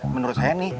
menurut saya nih